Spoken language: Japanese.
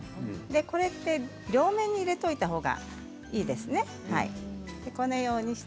これは両面に入れておいたほうがいいですね。